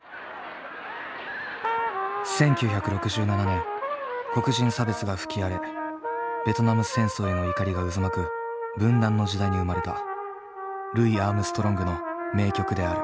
１９６７年黒人差別が吹き荒れベトナム戦争への怒りが渦巻く分断の時代に生まれたルイ・アームストロングの名曲である。